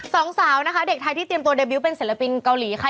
สองสาวนะคะเด็กไทยที่เตรียมตัวเดบิวต์เป็นศิลปินเกาหลีค่ะ